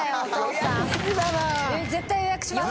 絶対予約します。